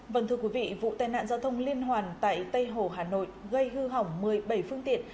vâng thưa quý vị vụ tai nạn giao thông liên hoàn tại tây hồ hà nội gây hư hỏng một mươi bảy phương tiện